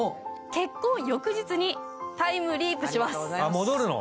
あ、戻るの。